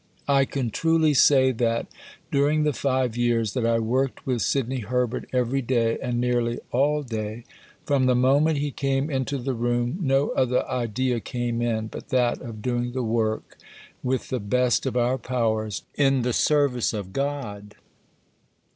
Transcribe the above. I can truly say that, during the 5 years that I worked with Sidney Herbert every day and nearly all day, from the moment he came into the room no other idea came in but that of doing the work with the best of our powers in the service of God.